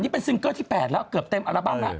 นี่เป็นซิงเกอร์ที่๘แล้วเกือบเต็มอัลบั้มแล้ว